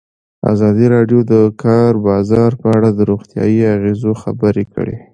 ازادي راډیو د د کار بازار په اړه د روغتیایي اغېزو خبره کړې.